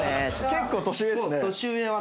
結構年上ですね。